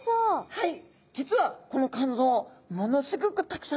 はい。